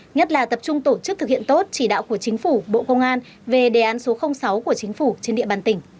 nhất là tập trung tổ chức thực hiện tốt chỉ đạo của chính phủ bộ công an về đề án số sáu của chính phủ trên địa bàn tỉnh